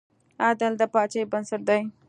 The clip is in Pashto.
عدل د پاچاهۍ بنسټ دی.